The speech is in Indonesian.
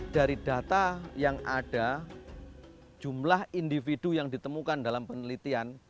dari data yang ada jumlah individu yang ditemukan dalam penelitian